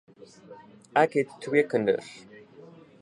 Ek het twee kinders